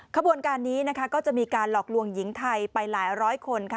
ขบวนการนี้ก็จะมีการหลอกลวงหญิงไทยไปหลายร้อยคน